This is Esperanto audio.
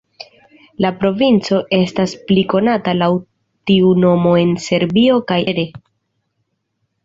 La provinco estas pli konata laŭ tiu nomo en Serbio kaj ekstere.